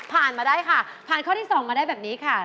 มาได้ค่ะผ่านข้อที่๒มาได้แบบนี้ค่ะ